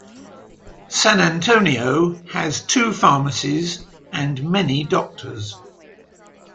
San Antonio has two pharmacies and many doctors.